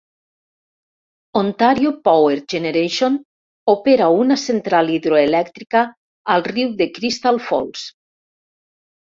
Ontario Power Generation opera una central hidroelèctrica al riu de Crystal Falls.